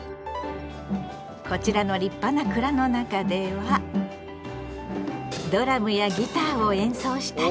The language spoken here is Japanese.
こちらの立派な蔵の中ではドラムやギターを演奏したり。